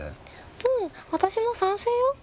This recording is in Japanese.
うん私も賛成よ。